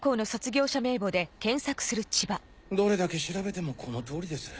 どれだけ調べてもこの通りです。